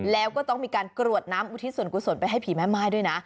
แล้วก็ต้องมีการกรวดน้ำอุทิศส่วนกุศลไปให้ผีแม่ม่ายด้วยนะ